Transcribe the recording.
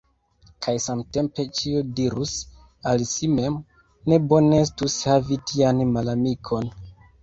Kaj samtempe ĉiu dirus al si mem: ne bone estus havi tian malamikon!